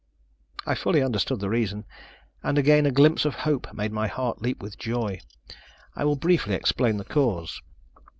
I fully understood the reason, and again a glimpse of hope made my heart leap with joy. I will briefly explain the cause.